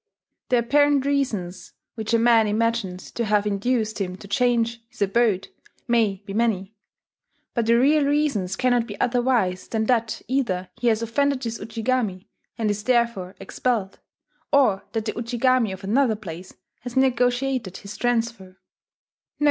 The apparent reasons which a man imagines to have induced him to change his abode may be many; but the real reasons cannot be otherwise than that either he has offended his Ujigami, and is therefore expelled, or that the Ujigami of another place has negotiated his transfer